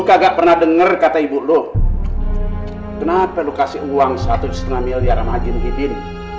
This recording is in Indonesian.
kagak pernah denger kata ibu lu kenapa lu kasih uang satu setengah miliar haji muhyiddin